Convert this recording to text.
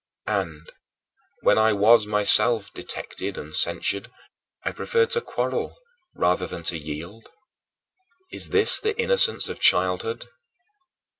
And, when I was myself detected and censured, I preferred to quarrel rather than to yield. Is this the innocence of childhood?